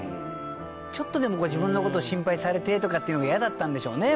ちょっとでもこう自分の事を心配されてとかっていうのが嫌だったんでしょうね。